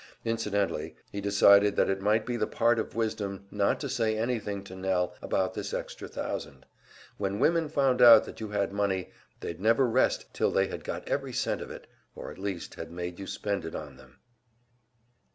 Incidentally he decided that it might be the part of wisdom not to say anything to Nell about this extra thousand. When women found out that you had money, they'd never rest till they had got every cent of it, or at least had made you spend it on them!